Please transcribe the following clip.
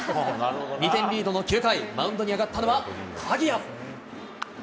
２点リードの９回、マウンドに上がったのは鍵谷。